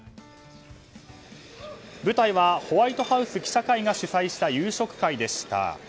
舞台はホワイトハウス記者会が主催した夕食会でした。